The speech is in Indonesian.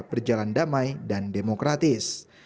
berjalan damai dan demokratis